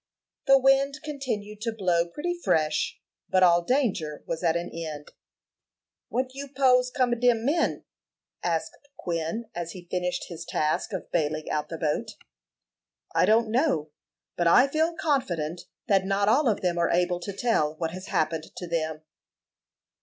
The wind continued to blow pretty fresh, but all danger was at an end. "What you 'pose come ob dem men?" asked Quin, as he finished his task of baling out the boat. "I don't know; but I feel confident that not all of them are able to tell what has happened to them."